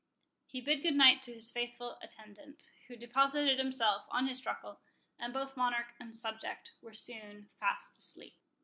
He bid good night to his faithful attendant, who deposited himself on his truckle; and both monarch and subject were soon fast asleep.